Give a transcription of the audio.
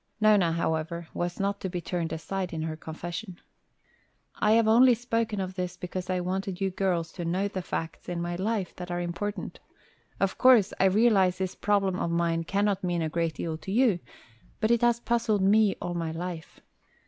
Nona, however, was not to be turned aside in her confession. "I have only spoken of this because I wanted you girls to know the facts in my life that are important. Of course, I realize this problem of mine cannot mean a great deal to you. But it has puzzled me all my life.